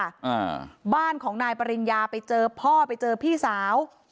อ่าบ้านของนายปริญญาไปเจอพ่อไปเจอพี่สาว